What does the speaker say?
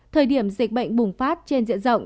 thời điểm dịch bệnh bùng phát trên diện rộng